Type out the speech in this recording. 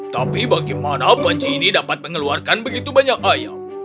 tapi bagaimana panci ini dapat mengeluarkan begitu banyak ayam